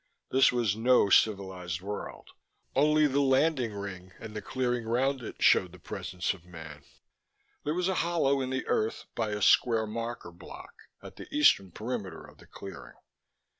This was no civilized world. Only the landing ring and the clearing around it showed the presence of man. There was a hollow in the earth by a square marker block at the eastern perimeter of the clearing.